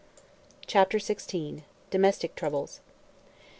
CHAPTER XVI. DOMESTIC TROUBLES.